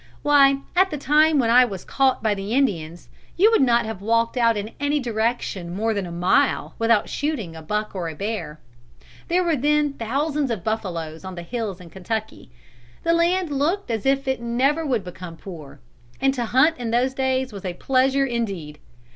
Why, at the time when I was caught by the Indians, you would not have walked out in any direction more than a mile without shooting a buck or a bear. There were then thousands of buffaloes on the hills in Kentucky. The land looked as if it never would become poor; and to hunt in those days was a pleasure indeed.